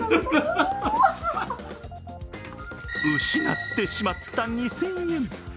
失ってしまった２０００円。